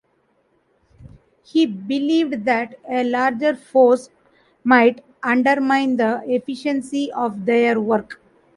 He believed that a larger force might undermine the efficiency of their work.